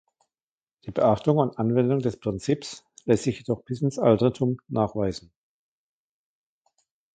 Die Beachtung und Anwendung des Prinzips lässt sich jedoch bis ins Altertum nachweisen.